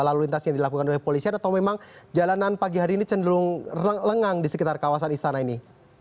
lalu lintas yang dilakukan oleh polisian atau memang jalanan pagi hari ini cenderung lengang di sekitar kawasan istana ini